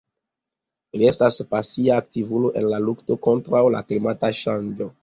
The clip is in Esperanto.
Li estas pasia aktivulo en la lukto kontraŭ la klimata ŝanĝo.